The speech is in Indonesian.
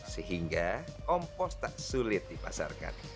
sehingga kompos tak sulit dipasarkan